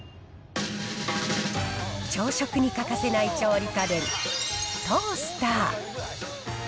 朝食に欠かせない調理家電、トースター。